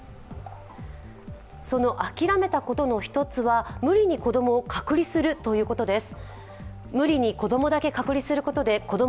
その諦めたことの１つは、無理に子供を隔離するということです。